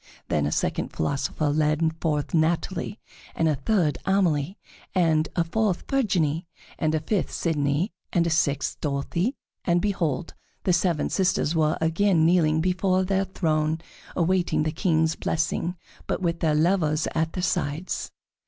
Then a second philosopher led forth Natalie, and a third Amelie, and a fourth Virginie, and a fifth Sidonie, and a sixth Dorothée, and behold! the seven sisters were again kneeling before the throne awaiting the King's blessing, but with their lovers at their sides.